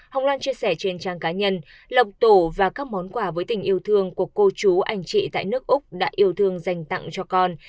hồng lan chia sẻ trên trang cá nhân lộc tổ và các món quà với tình yêu thương của cô chú anh chị tại nước úc đã yêu thương dành tặng cho con